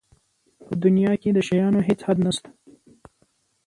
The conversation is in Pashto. په دنیا کې د شیانو هېڅ حد نشته.